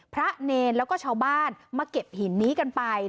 พระเนรแล้วก็ชาวบ้านมาเก็บหินนี้กันไป